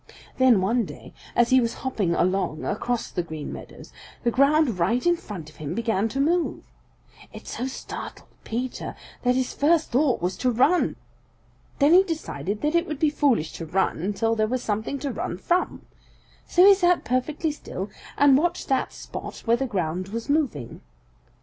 Then one day, as he was hopping along across the Green Meadows, the ground right in front of him began to move. It so startled Peter that his first thought was to run. Then he decided that it would be foolish to run until there was something to run from. So he sat perfectly still and watched that spot where the ground was moving.